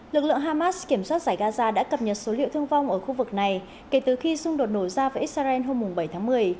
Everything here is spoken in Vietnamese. lực lượng hamas kiểm soát giải gaza đã cập nhật số liệu thương vong ở khu vực này kể từ khi xung đột nổ ra với israel hôm bảy tháng một mươi